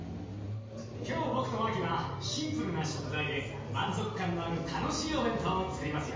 今日僕とマキはシンプルな食材で満足感のある楽しいお弁当をつくりますよ。